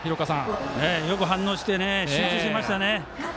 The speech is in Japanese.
よく反応して集中しましたね。